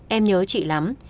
em nhớ chị lắm